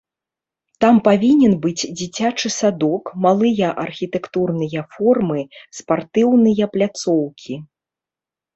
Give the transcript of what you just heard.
Там павінен быць дзіцячы садок, малыя архітэктурныя формы, спартыўныя пляцоўкі.